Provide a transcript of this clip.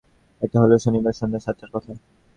এটা হল শনিবার সন্ধ্যা সাতটার কথা।